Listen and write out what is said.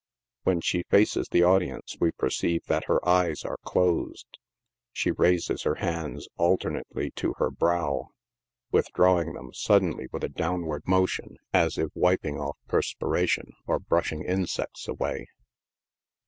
When she faces the audience, we perceive that her eyes are closed. She raises her hands alternately to her brow, withdrawing them suddenly with a downward motion, as if 02 NIGHT SIDE OF NEW YORK. wiping off perspiration or brushing insects away.